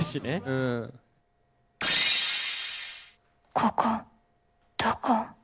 ここどこ？